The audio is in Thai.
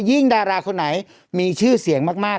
ดาราคนไหนมีชื่อเสียงมาก